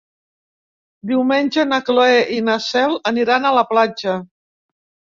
Diumenge na Cloè i na Cel aniran a la platja.